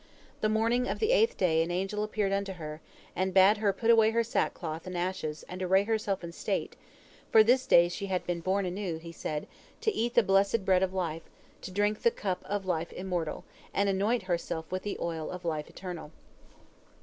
The morning of the eighth day an angel appeared unto her, and bade her put away her sackcloth and ashes and array herself in state, for this day she had been born anew, he said, to eat the blessed bread of life, to drink of the cup of life immortal, and anoint herself with the oil of life eternal.